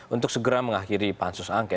untuk segera mengakhiri pansus angket